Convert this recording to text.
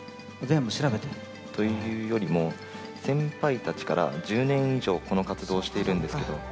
全部調べて？というよりも先輩たちから１０年以上この活動をしているんですけど。